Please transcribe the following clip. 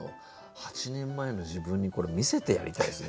８年前の自分にこれ見せてやりたいですね